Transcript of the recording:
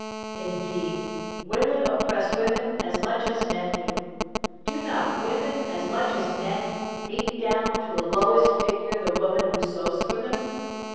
Indeed, women oppress women as much as men do. Do not women, as much as men, beat down to the lowest figure the woman who sews for them?